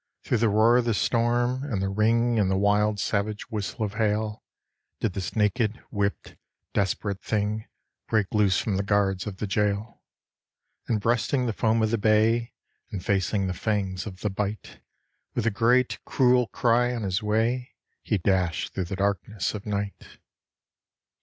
Through the roar of the storm, and the ring and the wild savage whistle of hail, Did this naked, whipt, desperate thing break loose from the guards of the gaol. And breasting the foam of the bay, and facing the fangs of the bight, With a great cruel cry on his way, he dashed through the darkness of night.